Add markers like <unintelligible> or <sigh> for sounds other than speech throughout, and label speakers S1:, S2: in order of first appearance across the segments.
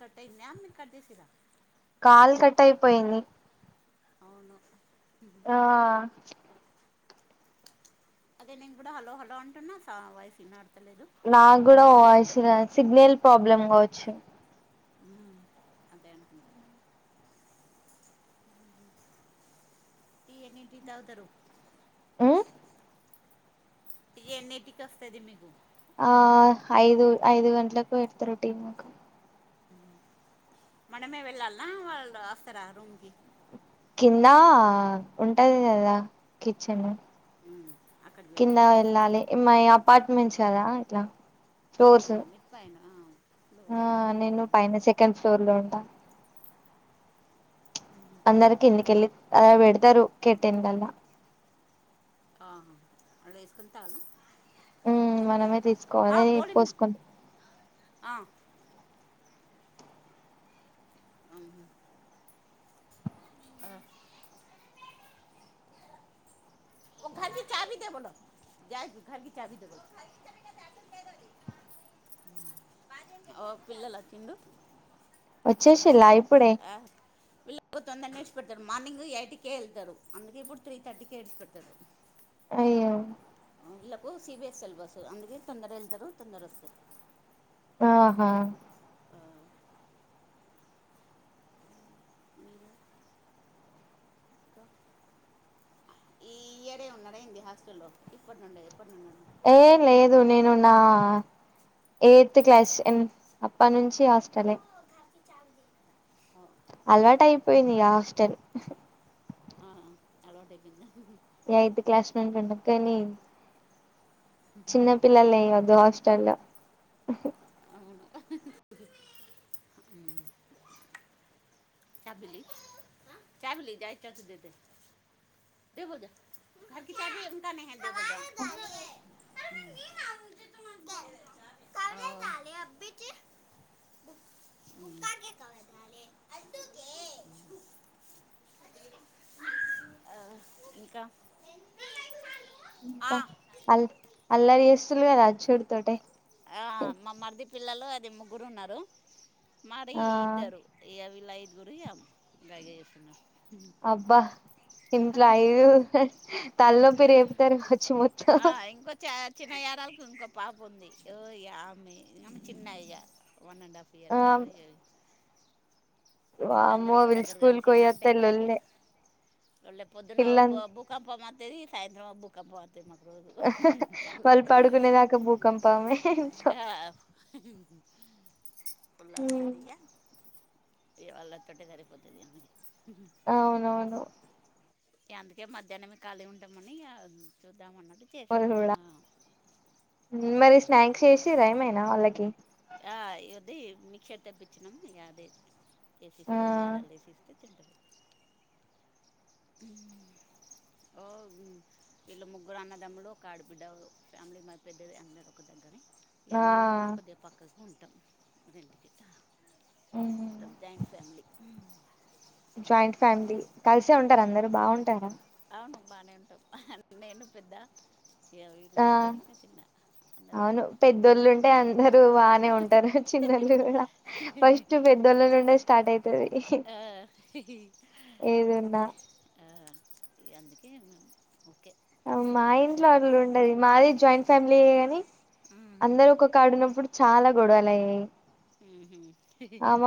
S1: కట్టయిందా మిర్ కట్ చేసిరా
S2: కాలు కట్ అయిపోయింది
S1: అవును ఉహు
S2: ఆ
S1: అదే నేను కూడా హలో హలో అంటున్నా సా వైఫ్ ఇనడతలేదు
S2: నాకూడా వయిస్ సిగ్నల్ ప్రాబ్లమ్ కావచ్చు
S1: ఉ అదే అనుకుంట టీ ఎన్నింటికి తాగుతారు
S2: ఆ
S1: టీ ఎన్నిటికస్తాది మీకు
S2: ఆ ఐదు ఐదు గంటలకు పెడతారు టీ మాకు
S1: మనమే వెళ్ళాలనా వాళ్ళు వస్తార రూమ్ కి
S2: కింద ఉంటది కదా కిచెన్
S1: మ్మ్. అక్కడికి
S2: కింద వెళ్ళాలి మాయి అపార్ట్మెంట్స్ కదా ఇట్లా ఫ్లోర్స్
S1: పైనా
S2: ఆ నేను పైన సెకండ్ ఫ్లోర్ లో ఉంటా
S1: ఉ
S2: అందరు కింది కెళ్ళి ఆ పెడతారు కెటిలల్ల
S1: ఆహా అలా వేసుకుని తాగు
S2: మ్మ్ మనమే తీసుకోవాలి పోసుకున్
S1: ఆ ఆహా ఆ <unintelligible> ఓ పిల్లల చిందు
S2: వచ్చేసిలా
S1: అందుకే
S2: ఇప్పుడే
S1: <unintelligible> మార్నింగ్ ఎయిటీ కే వెళ్తారు అందుక ఇప్పుడు తర్టీ <unintelligible> తరు
S2: అయ్యో
S1: ఇళ్లకు సిబిఎస్ ఎల్ బస్ అందుకే తొందర వెళ్తారు తొందర వస్తారు
S2: ఆహా
S1: ఆ మీరు <unintelligible> ఈ ఇయరే ఉన్నా <unintelligible> హాస్టల్లో ఇప్పటి నుండే ఎప్పటి నుండి ఉండ
S2: ఏ లేదు నేను నా ఎయిత్ క్లాస్ <unintelligible> <unintelligible>
S1: అందుకు
S2: అలవాట అయిపోయింది ఇగ హాస్టల్
S1: ఆ అలావాటు అయిపోయింద
S2: <unintelligible> క్లాస్ లో ఉంటం కానీ చిన్న పిల్లలే అయవద్దు హా <unintelligible>
S1: అవును ఉ చాబిలీ చాబిలీ <unintelligible> <unintelligible> <unintelligible> <unintelligible> ఆ ఇంక
S2: ఇంక అల్ అల్లరి చేస్తులు కద <unintelligible>
S1: ఆ మా మరది పిల్లలు అది ముగ్గురు ఉన్నారు మరి
S2: ఆ
S1: ఇద్దరు <unintelligible> ఇద్గురు <unintelligible> చేసిన
S2: అబ్బా ఇంట్లో అఐదు <unintelligible> తలనొప్పి రేపుతారు వచ్చి మొత్తం
S1: <unintelligible> చిన్న <unintelligible> ఇంకో పాప ఉంది ఆమెమె చిన్నయ్యా వన్ అండ్ హాఫ్
S2: ఆ
S1: <unintelligible> వీళ్ళందరూ
S2: వామ్మో
S1: ఒక
S2: వీళ్ళు
S1: దగ్గర
S2: స్కూల్ కి
S1: కలిసి నాంటే
S2: పోయొత్తే లొల్లే
S1: <unintelligible> పొద్దున్న
S2: ఇల్లం
S1: అబ్బు భూకంపం వత్తాది సాయంత్రం భూకంప అంతంది అ మాకు రోజు
S2: వాళ్ళు పడుకునేదాకా భూకంపమే ఇంట్లో
S1: ఆ <unintelligible> ఇ వాళ్ళతోటే సరిపోతుంది <unintelligible>
S2: అవునవును
S1: అందుకే మధ్యనమె ఖాళీ ఉంటామని చూద్దామ అన్నట్టు చేసే
S2: వాళ్ళు కూడా మరి స్నాక్స్ చేసిర ఏమైనా వాళ్ళకి
S1: <unintelligible> మిక్సర్ తెప్పించినాము ఇది
S2: ఆ
S1: వేసిస్తే <unintelligible> లు వేసిస్తే తింటది ఉ వీళ్ళ ముగ్గురు అన్నదమ్ములు ఒక ఆడ బిడ్డ ఫ్యామిలీ మాది పెద్దది అందరు ఒక దగ్గర <unintelligible>
S2: ఆ
S1: ఇమ్మమ ఒొ కొద్ది పక్కగా ఉంటాం రెంటి గ <unintelligible> జాయింట్ ఫ్యామిలీ
S2: జాయింట్ ఫ్యామిలీ కలిసే ఉంటారు అందరు బాగుంటారా
S1: అవును బానే ఉంటం నేను పెద్ద ఇగ వీళ్ళు
S2: ఆ
S1: ఇద్దరు చిన్న అందరూ
S2: అవును
S1: ఒకే
S2: పెద్దోళ్ళు ఉంటే అందరు బానే ఉంటారు చిన్నళ్ళు కూడా ఫస్ట్ పెద్దోళ్ల నుండే స్టార్ట్ అయితది
S1: ఆ
S2: ఏదున్నా
S1: ఆ ఇగ అందుకే ఓకే
S2: మా
S1: కలిసే
S2: ఇంట్లో
S1: ఉంటా
S2: వాళ్లు ఉండది మాది జాయింట్ ఫ్యామిలీ యే కానీ
S1: మ్మ్
S2: అందరు ఒక్క కాడ ఉన్నప్పుడు చాలా గొడవలు అయినాయి
S1: హు హామ్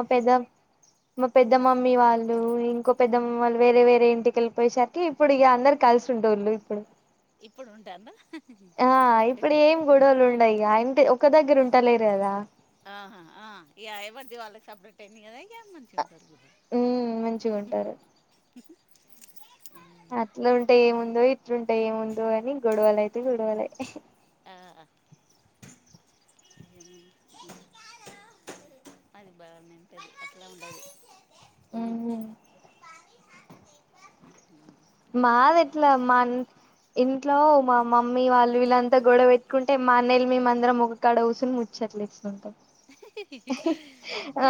S2: పెద్ద మా పెద్ద మమ్మీ వాళ్ళు ఇంకొ పెద్దమ్మల్లు వేరే వేరే ఇంటికి వెళ్ళిపోయే సరికి ఇప్పుడు ఇగ అందరు కలిసి ఉండేవాళ్ళు ఇప్పుడు
S1: ఇప్పుడు ఉంటాందా
S2: ఆ ఇప్పుడు ఏం గొడవలు ఉండయి ఆ ఇంటి ఒక దగ్గర ఉంటలేరు కదా
S1: ఆహా ఆ ఇగా ఎవరిద్ది వాళ్ళకి సపరేట్ అయింది కదా ఇక మంచిగా ఉంటారు కూడా
S2: ఉం మంచిగా ఉంటారు
S1: ఓార్
S2: అట్లా ఉంటే ఏముందో ఇట్లుంటే ఏముందో అని గొడవలు అయితే గొడవలు
S1: ఆ అది బాగా నింటుంది అట్లా ఉండదు
S2: ఉమ్
S1: <unintelligible> ఉం
S2: మాది ఎట్లా మా ఇంట్లో మా మమ్మీ వాళ్ళు వీళ్ళంతా గొడవ పెట్టుకుంటే మా అన్నయలు మేమందరం ఇక్కడ కూసోని ముచ్చట్లేసుకుంటాం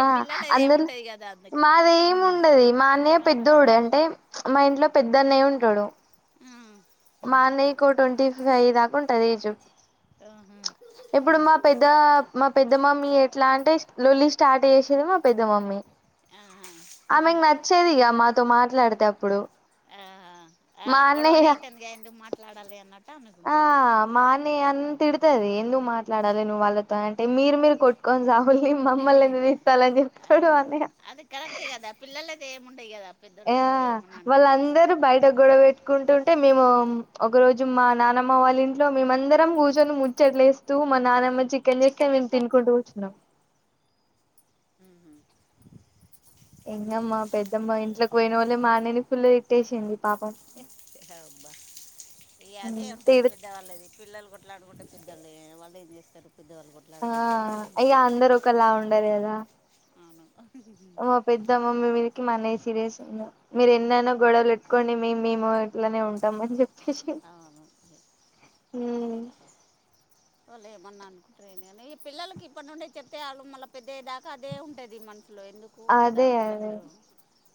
S2: ఆ
S1: పిల్లలది
S2: అందలో
S1: ఏముండదు కదా అందుక
S2: మాదేమి
S1: హ్మ్
S2: ఉండది మా అన్నయ్య
S1: అవును
S2: పెద్ద పెద్దోడు అంటే మా ఇంట్లో పెద్ద అన్నయ్య ఉంటాడు
S1: ఆ
S2: మా అన్నయకు ట్వంటీ ఫైవ్ దాకా ఉంటది ఏజ్
S1: ఆహా
S2: ఇప్పుడు మా పెద్ద పెద్ద మా పెద్ద మమ్మీ ఎట్లా అంటే లొల్లి స్టార్ట్ చేసేది మా పెద్ద మమ్మీ
S1: ఆహా
S2: వచ్చేదిక ఇగ మాతో మాట్లాడితే అప్పుడు
S1: ఆహా ఆ
S2: మా
S1: గొడవనే
S2: అన్నయ్య
S1: అయితుందిగా ఎందుకు మాట్లాడాలి అన్నట్టు ఆమెకు ఉంటది
S2: అని తిడుతుది ఎందుకు మాట్లాడాలి నువ్వు వాళ్ళతో అంటే మీరు మీరు కొట్ <unintelligible> కొ సాాహుల్ని మమ్మల్నిద విస్తాలని చెప్తాడు అన్నయ్య
S1: పిల్లలు అయితే ఏముండయి కదా
S2: ఆ
S1: పెద్దోళ్ళు ఏమన్నా అనుకుంటేను
S2: వాళ్ళందరూ బయట గొడవ పెట్టు కుంటుంటే మేము ఒక రోజు మా నానమ్మ వాళ్ళ ఇంట్లో మేమందరం కూర్చొని ముచ్చట్లేస్ మా నానమ్మ చికెన్ చేస్తే మేము తినుకుంటూ కుచ్చున్నాం
S1: హు హామ్
S2: ఎంగమ్మా పెద్దమ్మ ఇంట్లోకి పోయిన వాళ్ళే మా అన్నయ్య నీ ఫుల్ తిట్టేసింది పాపం
S1: ఆహెయ్ అబ్బా ఈగ అదే ఉంటంది
S2: తిడు
S1: ఈకడి <unintelligible> ద్దళ్ళది పిల్లలు కోట్లడుకుంటే చూద్దాం లై వల్ ఎం చేస్తారు పెద్దవాళ్ళు కూడా <unintelligible>
S2: ఆ ఈగ అందరు ఒకలాగ ఉండరు కదా
S1: అవును
S2: మా పెద్ద మమ్మీ మీదీకి మాన్నయ్య సీరియస్ అయ్యిండు మీరు ఎన్నన్నా గొడవలు పెట్టుకోండి మే మేము ఇట్లానే ఉంటాం అని చెప్ప
S1: అవును
S2: ఉ
S1: వాళ్ళు ఏమన్న అనుకుంటారు కానీ పిల్లకి ఇప్పటి నుండే చెప్తే వాలు మల్ల పెద్దయ్య దాకా ఓకే అదే ఉంటది మనసులో ఎందుకు కదా
S2: అదే అదే
S1: పిల్లలకు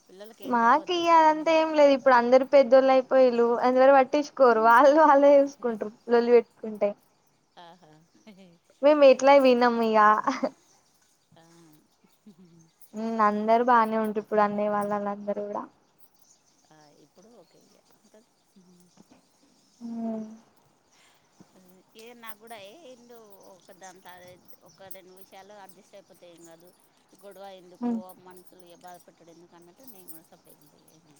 S1: పిల్లలకి ఏం
S2: మాకు
S1: చెప్పొద్దు
S2: ఇదంతా
S1: ఉమ్.
S2: ఏం లేదు ఇప్పుడు అందరి పెద్దోళ్ళు అయిపోయలు ఎవరు పట్టించుకోరు వాళ్ళు వాళ్ళే చేసుకుంటారు లొల్లి పెట్టుకుంటే
S1: ఆహా
S2: మేట్లా వీనం ఈగ
S1: ఆ ఊ హు
S2: ఉ అందరు బానే ఉండ్రు ఇప్పుడు అన్న వాళ్ళళందరు కూడా
S1: ఆ ఇప్పుడు ఓకే ఇగ అత్తంది ఊ
S2: ఉ
S1: ఏ నాకు కూడా ఏండు ఒక దాంత ఒక రెండు విషయాలు అడ్జస్ట్ అయిపో ఐపోతే ఎం కాదు గొడవ ఎందుకు
S2: ఉమ్
S1: మనుసులు బాధపెట్టాడు ఎందుకు అన్నట్టు నేను కూడా సప్పుడే కుంట ఏమన్నా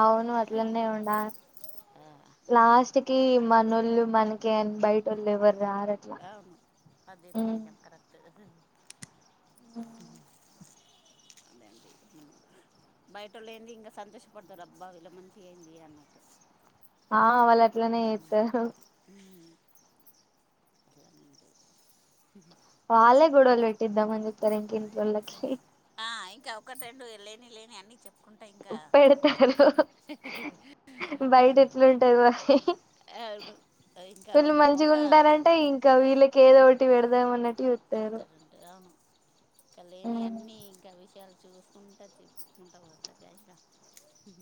S2: ఆవును అట్లందే వుండాలే లాస్ట్ కి మనోళ్ళు మనకే అని బయట వాళ్ళు ఎవ్వరు రార్ అని
S1: అవును అదేతే నిజం కరెక్ట్ ఉ అదేంటడి బయటోల్ ఏంది ఇంకా సంతోషపడతారు అబ్బా వీళ్ళకు మంచిగా ఏయింది అన్నట్టు
S2: ఆ వాళ్ళు అట్లనే చేస్తారు
S1: ఉ కరెక్టే
S2: వలే గుడవలు పెట్టిద్దామని చూస్తారు ఇంకా ఇంట్లో వాళ్లకి
S1: ఆ ఇంక ఒకటి రెండు లేని లేని అని చెప్ప
S2: పెడతారు బయట ఎట్లా ఉంటది మరి
S1: అవును ఇంకా
S2: వీళ్ళు మంచిగా
S1: మొక్క
S2: ఉంటారంటే ఇంక ఇంకా వీలకి ఎదో ఒకటి పెడదాంమన్నట్
S1: పెడతా ఉంటారు ఆ లేనివి
S2: ఉమ్
S1: లేని ఇంకా ఆన్నీ విషయాలు చూస్త వంట చేసుకుంటా పోతదట ఊ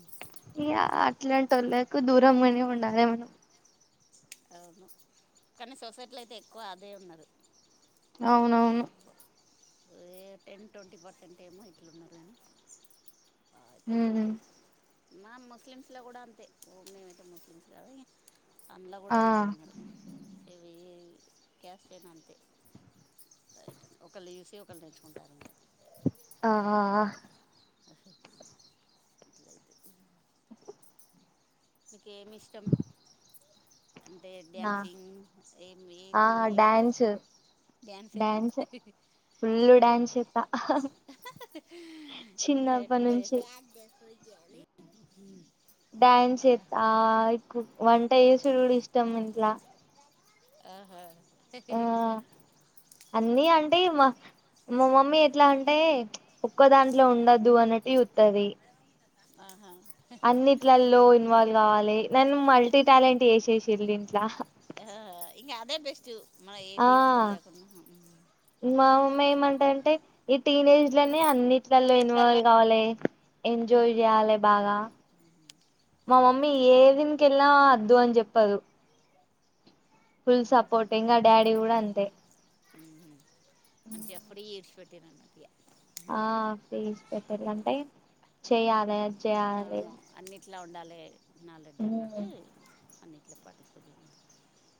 S2: ఈ అట్లాంటి వాళ్ళకు దూరం గానే ఉండాలే మనం
S1: అవును కానీ సొసైటీలో అయితే ఎక్కువ అదే ఉన్నారు
S2: అవునుఅనువు
S1: ఏ టెన్ ట్వంటీ పర్సెంట్ ఏమో ఇట్లున్నారు కానీ ఆ అదే అదే
S2: ఉమ్
S1: ఆ ముస్లిమ్స్ కూడా అంతే మేమైతే ముస్లిమ్స్ కాదు ఆ కూడా అంతే ఉన్నారు ఇవి క్యాస్ ఐనా అంతే రైట్ ఒకరుని చూసి ఒకళ్ళు నేర్చుకుంటారు అంట
S2: ఆహా ఆ
S1: ఆ హు రైటే మీకేమి ఇష్టం అంటే
S2: నా
S1: డ్యాన్సింగ్ ఏమి
S2: ఆ
S1: ఏది ఎక్కువ
S2: డ్యాన్స్
S1: ఇష్టం డ్యాన్సేన
S2: డ్యాన్స్ ఫుల్
S1: మ్మ్
S2: డ్యాన్స్ చేత్తా
S1: ఇంట్లో
S2: చిన్నప్పటి
S1: పెట్టుకుంట
S2: నుంచి
S1: <unintelligible> <inaudible>
S2: డ్యాన్స్ ఏత్త ఇకు వంట చేసుడు కూడా ఇష్టం ఇంట్లా
S1: ఆహా
S2: ఆ అన్నీ అంటె మా మా మమ్మీ ఎట్లా అంటే ఒక్క దాంట్లో ఉండదు అన్నట్ చూత్తది
S1: ఆహా
S2: అన్నిట్లలో ఇన్వాల్వ్ కావాలే నన్ను మల్టీ టాలెంట్ చేసేసింది ఇంట్లో
S1: ఆ ఇంగ అదే బెస్ట్టు మన
S2: ఆ
S1: ఏది ఒక్కడియాకున్నా
S2: మ్మ ఏమంట అంటే ఈ టీనేజ్లని అన్నిట్లలో ఇన్వాల్వ్ కావాలే ఎంజాయ్ చేయాలే బాగా
S1: అవును
S2: మా మమ్మీ ఏ జిమ్ కి వెళ్ళినా వద్దు అని చెప్పదు ఫుల్ సపోర్ట్ ఇంకా డాడీ కూడా అంతే
S1: మ్మ్ హు మంచిగ అప్పుడ ఈడ్చిపెట్టారు అన్నట్టు ఇగ
S2: ఆ ఫీస్ పెట్టిల్లు అంటే చెయ్యాలే
S1: అవును అన్నిట్లా ఉండాలి నాలెడ్జ్ అన్నట్టు అన్నింటిలో పార్టిసిపేట్ చేయ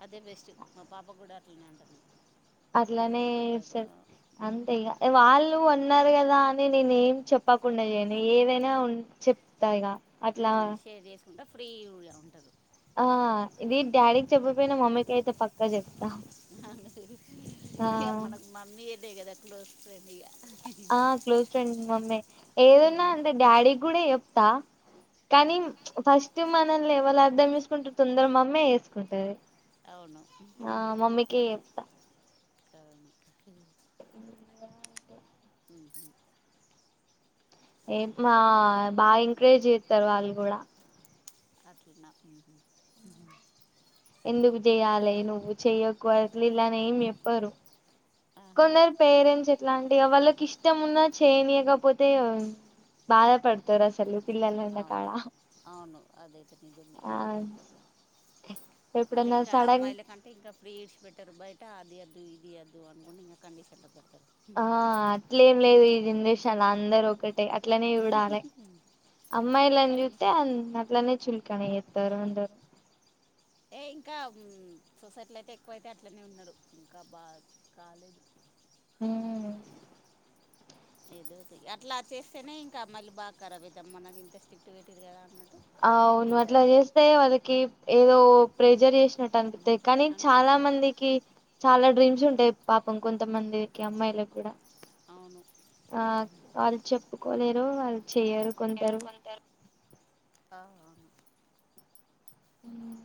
S1: అదే బెస్ట్ మా పాప కూడా అట్లనే అంటది
S2: అట్లనే ఇ సరి అంతే ఇగ యే వాళ్ళు అన్నారు కదా అని నేనే ఏం చెప్పకుండా చేయను ఏదైనా ఉన్ చెప్తా ఇగ అట్లా
S1: మ్మ్ షేర్ చేసుకుంట ఫ్రీగా ఉంటరు
S2: ఆ ఇది డాడీకి చెప్పపోయినా మమ్మీకి అయితే పక్ క్క చెప్త
S1: అ ఇగ మనకు మమ్మీ అనే కదా క్లోజ్ ఫ్రెండ్ ఇగ
S2: ఆ క్లోజ్ ఫ్రెండ్ మమ్మీ ఏదన్నా అంటే డాడీ కూడా చెప్తా కానీ ఫస్ట్ మనల్ని ఎవళ్ళూ అర్ధం చేసుకుంటారు తొందర మమ్మే చేసుకుంటది
S1: అవును
S2: ఆ మమ్మీకి చెప్తా
S1: అవును మ్మ్ హు
S2: ఏం మా బాగా ఎంకరేజ్ చెత్తారు వాళ్ళు కూడా
S1: అట్టన మ్మ్ హు మ్మ్ హు
S2: ఎందుకు చెయాలి నువ్వు చెయ్యకు అట్ల ఇట్ల అనేం చెప్పరు
S1: ఆహా
S2: కొందరి
S1: మం-
S2: పేరెంట్స్ ఇట్లాంటివి వాళ్ళకి ఇష్టం ఉన్నా చేయనీయకపోతే బాధపడతారు అసలు పిల్లలు ఉన్న
S1: అవును
S2: కాడ
S1: అవును అదైతే నిజమే
S2: ఆ
S1: మళ్ళీ
S2: ఎప్పుడన్నా
S1: ఇంకా
S2: సడన్
S1: అమ్మాయిలే కన్ అంటే ఇంకా ఫ్రీ ఇడ్చి పెట్టరు బయట అది వద్దు ఇది యద్దు అనుకుంట ఇంగ కండిషన్లో పెడతారు
S2: ఆ అట్లేం లేదు ఈ జనరేషన్ అందరు ఒకే టె అట్లనే చూడాలి అమ్మాయిలాని
S1: కానీ
S2: చూస్తే అ అట్లనే చులుపి కానీ
S1: ఆ,
S2: ఎత్తర అందరు
S1: ఏ ఇంకా మ్మ్ సొసైటీలో అయితే ఎక్కువైతే అట్లనే ఉన్నారు ఇంకా బాగా కాలేదు మ్మ్ హు
S2: అందరు
S1: ఏదోతీ అట్లా చేస్తేనే ఇంకా మళ్ళీ బాగా కరాబ్ అవుతది నాకు ఇంత స్ట్రిక్ట్ పెట్టిరు కదా అన్నట్టు
S2: అ
S1: ఇంక
S2: అవును
S1: ఇంత
S2: అట్లా
S1: అయ్యేది.
S2: చేస్తే వాళ్ళకి ఏదో ప్రెజర్ చేసినట్టు
S1: మ్మ్.
S2: అనిపిత్తది కానీ చాలా
S1: అనిపిస్తుంది
S2: మంది కి చాలా డ్రీమ్స్ ఉంటాయి పాపం కొంతమందికి అమ్మాయిలకి కూడా
S1: అవును
S2: ఆ వాళ్ళు చెప్పుకోలేరు వాళ్ళు చెయ్యరు
S1: ఆ
S2: కొందరు
S1: అవును
S2: ఉమ్